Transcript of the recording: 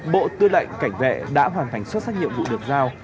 bộ tư lệnh cảnh vệ đã hoàn thành xuất sắc nhiệm vụ được giao